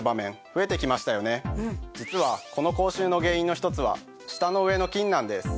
実はこの口臭の原因の１つは舌の上の菌なんです。